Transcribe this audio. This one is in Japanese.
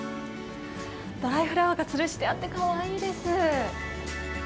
ドライフラワーがつるしてあってかわいいです。